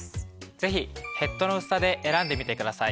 ぜひヘッドの薄さで選んでみてください。